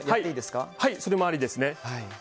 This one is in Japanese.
それもありですね。